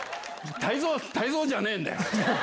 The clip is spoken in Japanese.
泰造じゃねーんだよ。